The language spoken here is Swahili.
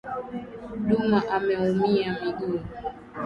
Duma ameumia miguu